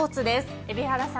海老原さん